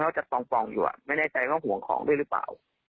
แล้วมันจะปล่องอยู่อ่ะไม่แน่ใจว่าเขาห่วงของด้วยหรือเปล่า